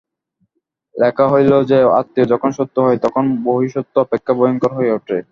লেখা হইল যে, আত্মীয় যখন শত্রু হয় তখন বহিঃশত্রু অপেক্ষা ভয়ংকর হইয়া উঠে।